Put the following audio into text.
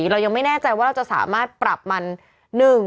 เรายังไม่แน่ใจว่าเราจะสามารถปรับมัน